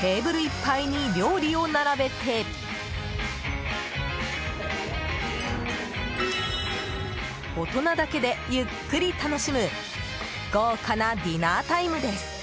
テーブルいっぱいに料理を並べて大人だけでゆっくり楽しむ豪華なディナータイムです。